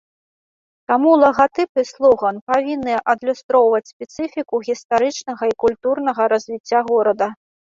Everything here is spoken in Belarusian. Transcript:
Таму лагатып і слоган павінны адлюстроўваць спецыфіку гістарычнага і культурнага развіцця горада.